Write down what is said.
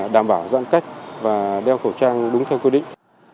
đảm bảo giãn cách và đeo khẩu trang đúng theo quy định